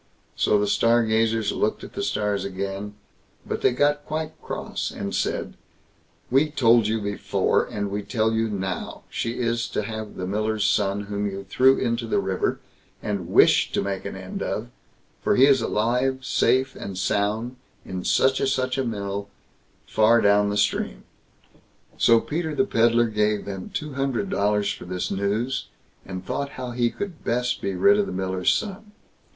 So the Stargazers looked at the stars again, but they got quite cross, and said, "We told you before, and we tell you now, she is to have the miller's son, whom you threw into the river, and wished to make an end of; for he is alive, safe and sound, in such and such a mill, far down the stream." So Peter the Pedlar gave them two hundred dollars for this news, and thought how he could best be rid of the miller's son.